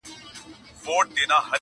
نه یې وېره له انسان وه نه له خدایه.!